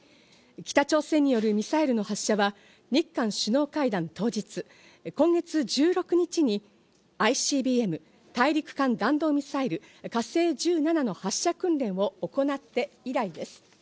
北朝鮮によるミサイルの発射は日韓首脳会談当日今月１６日にＩＣＢＭ＝大陸間弾道ミサイル「火星１７」の発射訓練を行って以来です。